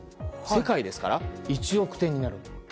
世界ですから、１億店になる。